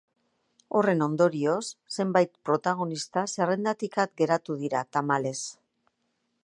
Horren ondorioz, zenbait protagonista zerrendatik at geratuko dira, tamalez.